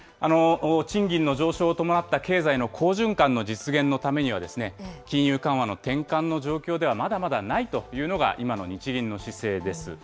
賃金の上昇を伴った経済の好循環の実現のためには、金融緩和の転換の状況ではまだまだないというのが、今の日銀の姿勢です。